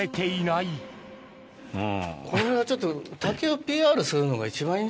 これはちょっと。